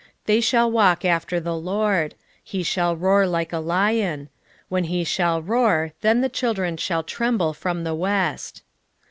11:10 They shall walk after the LORD: he shall roar like a lion: when he shall roar, then the children shall tremble from the west.